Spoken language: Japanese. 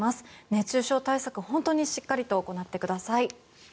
熱中症対策、本当にしっかりと行ってください。